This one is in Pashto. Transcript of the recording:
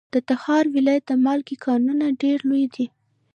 د تخار ولایت د مالګې کانونه ډیر لوی دي.